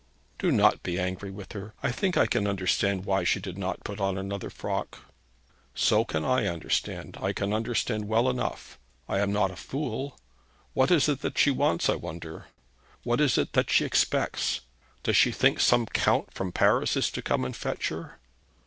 'Do not be angry with her. I think I can understand why she did not put on another frock.' 'So can I understand. I can understand well enough. I am not a fool. What is it she wants, I wonder? What is it she expects? Does she think some Count from Paris is to come and fetch her?'